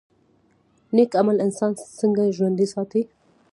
نیک عمل انسان څنګه ژوندی ساتي؟